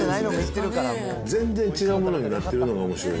全然違うものになってるのが、おもしろい。